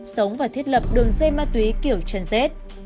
sống và thiết lập đường dây ma túy kiểu chân dết